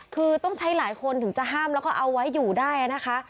คือต้องใช้หลายคนถึงจะห้ามแล้วก็เอาไว้อยู่ได้นะคะ